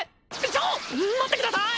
ちょっ待ってください！